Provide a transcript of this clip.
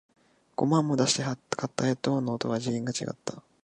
五万も出して買ったヘッドフォンの音は次元が違った